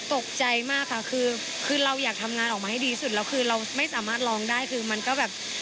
ตกใจมากค่ะคือเราอยากทำงานออกมาให้ดีสุดแล้วคือเราไม่สามารถลองได้คือมันก็แบบ